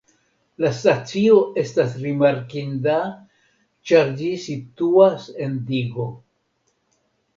La stacio estas rimarkinda ĉar ĝi situas en digo.